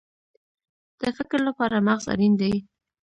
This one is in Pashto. د فکر لپاره مغز اړین دی